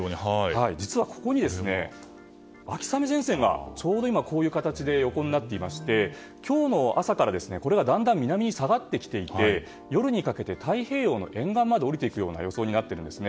実はここに秋雨前線がちょうど今こういう形で横になっていまして今日の朝から、これがだんだん南に下がってきていて夜にかけて太平洋の沿岸まで下りてくるような予想になっているんです。